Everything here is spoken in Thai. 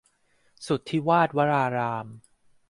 สุทธิวาตวราราม